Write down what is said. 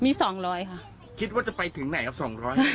มีสองร้อยค่ะคิดว่าจะไปถึงไหนครับสองร้อย